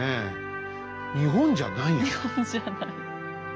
日本じゃないような。